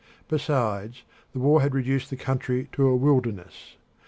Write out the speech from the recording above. Besides, the war had reduced the country to a wilderness.